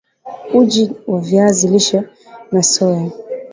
Uji wa viazi lishe na soya